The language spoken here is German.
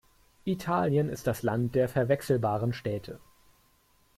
Italien ist das Land der verwechselbaren Städte.